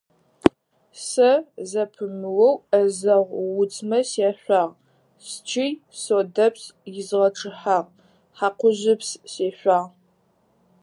Сэ зэпымыоу ӏэзэгъу уцмэ сяшъуагъ, счый содэпс изгъэчъыхьагъ, хьакъужъыпс сешъуагъ.